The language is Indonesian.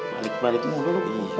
balik balikmu dulu iya